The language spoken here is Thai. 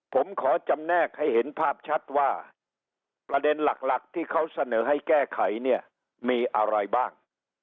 ผมขอจำแนกให้เห็นภาพชัดว่าประเด็นหลักที่เขาเสนอให้แก้ไขเนี่ยมีอะไรบ้าง